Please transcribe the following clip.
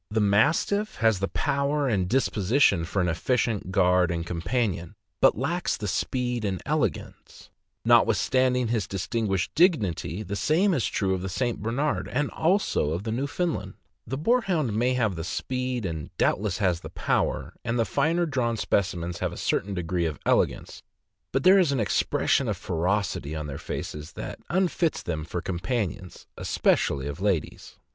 The Mastiff has the power and disposition for an efficient guard and companion, but lacks the speed and elegance; notwithstanding his distinguished dignity, the same is true of the St. Bernard, and also of the Newfound land; the Boarhound may have the speed, and doubtless has the power, and the finer drawn specimens have a certain degree of elegance, but there is an expression of ferocity on their faces that unfits them for companions, especially of ladies.